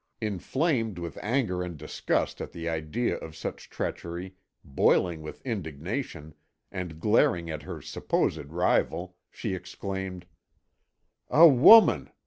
Inflamed with anger and disgust at the idea of such treachery, boiling with indignation, and glaring at her supposed rival, she exclaimed: "A woman